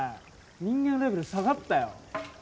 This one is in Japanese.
人間レベル下がったよ。